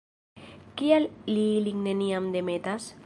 Kial li ilin neniam demetas?